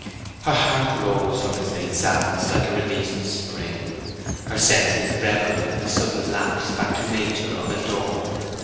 Her heart rose from its late sadness like a released spring; her senses revelled in the sudden lapse back to nature unadorned.